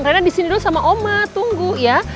karena disini dulu sama oma tunggu ya